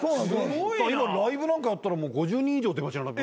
今ライブなんかやったらもう５０人以上出待ち並んでます。